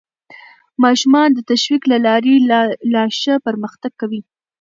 ماشومان د تشویق له لارې لا ښه پرمختګ کوي